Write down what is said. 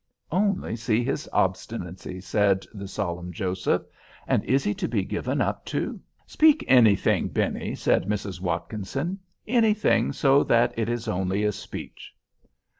"Only see his obstinacy," said the solemn Joseph. "And is he to be given up to?" "Speak anything, Benny," said Mrs. Watkinson, "anything so that it is only a speech."